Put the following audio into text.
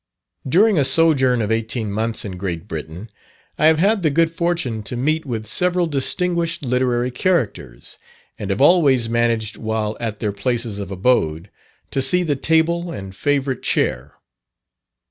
During a sojourn of eighteen months in Great Britain, I have had the good fortune to meet with several distinguished literary characters, and have always managed, while at their places of abode, to see the table and favourite chair.